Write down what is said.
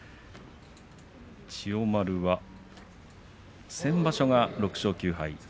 千代丸は先場所は６勝９敗。